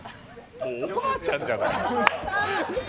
もうおばあちゃんじゃない。